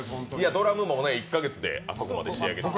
ドラムも１か月であそこまで仕上げてくれて。